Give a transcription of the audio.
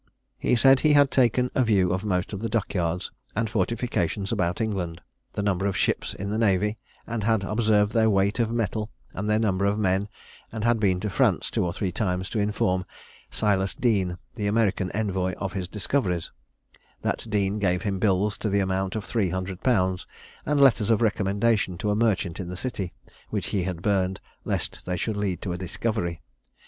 He had said he had taken a view of most of the dock yards and fortifications about England, the number of ships in the navy, and had observed their weight of metal and their number of men, and had been to France two or three times to inform Silas Deane, the American envoy, of his discoveries; that Deane gave him bills to the amount of three hundred pounds, and letters of recommendation to a merchant in the city, which he had burned, lest they should lead to a discovery.